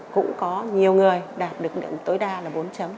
cũng có nhiều người đạt được lượng tối đa là bốn